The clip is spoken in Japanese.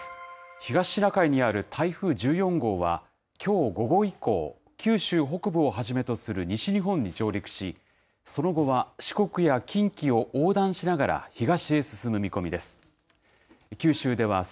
東シナ海にある台風１４号は、きょう午後以降、九州北部をはじめとする西日本に上陸し、その後は四国や近畿を横断しながら東へ進む見込みです。